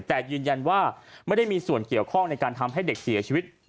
แต่ยืนยันว่าไม่ได้มีส่วนเกี่ยวข้องในการทำให้เด็กเสียชีวิต